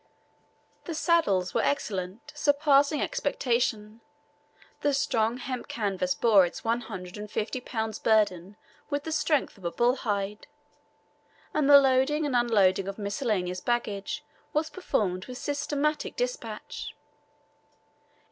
The saddles were excellent, surpassing expectation. The strong hemp canvas bore its one hundred and fifty pounds' burden with the strength of bull hide, and the loading and unloading of miscellaneous baggage was performed with systematic despatch.